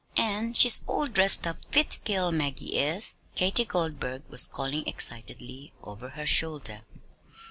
"An' she's all dressed up fit ter kill Maggie is," Katy Goldburg was calling excitedly over her shoulder.